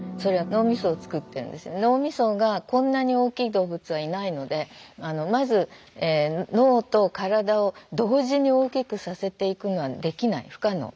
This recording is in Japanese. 脳みそがこんなに大きい動物はいないのでまず脳と体を同時に大きくさせていくのはできない不可能。